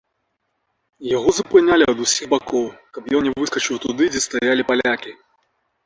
Яго запынялі ад усіх бакоў, каб ён не выскачыў туды, дзе стаялі палякі.